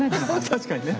確かにね。